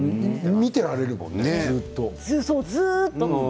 見てられるものね、ずっと。